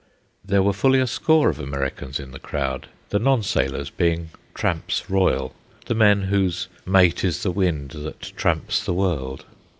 There were fully a score of Americans in the crowd, the non sailors being "tramps royal," the men whose "mate is the wind that tramps the world."